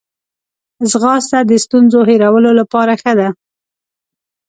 ځغاسته د ستونزو هیرولو لپاره ښه ده